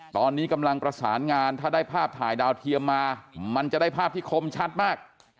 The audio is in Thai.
ตอนนี้กำลังประสานงานถ้าได้ภาพถ่ายดาวเทียมมามันจะได้ภาพที่คมชัดมาก